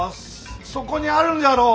そこにあるんじゃろう